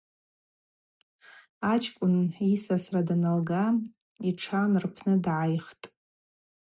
Ачӏкӏвын йысасра даналга йтшан рпны дгӏайхтӏ.